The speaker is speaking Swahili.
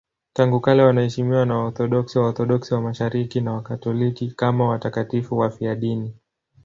Tangu kale wanaheshimiwa na Waorthodoksi, Waorthodoksi wa Mashariki na Wakatoliki kama watakatifu wafiadini.